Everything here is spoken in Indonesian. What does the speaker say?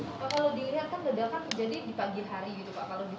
pak kalau dilihat kan ledakan terjadi di pagi hari gitu pak